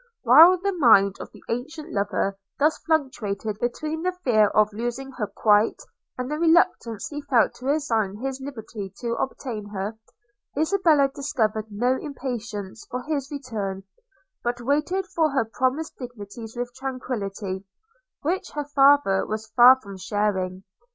While the mind of the ancient lover thus fluctuated between the fear of losing her quite, and the reluctance he felt to resign his liberty to obtain her, Isabella discovered no impatience for his return; but waited for her promised dignities with tranquillity, which her father was far from sharing.